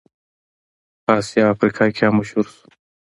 په اسیا او افریقا کې هم مشهور شو.